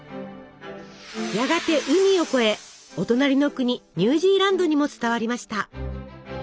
やがて海を越えお隣の国ニュージーランドにも伝わりました。